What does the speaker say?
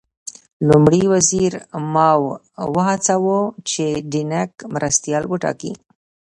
لومړي وزیر ماوو وهڅاوه چې دینګ مرستیال وټاکي.